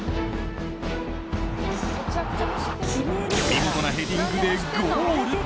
見事なヘディングでゴール！